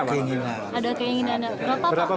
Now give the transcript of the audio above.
ada keinginan berapa pak